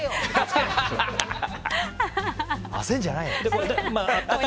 焦るんじゃない！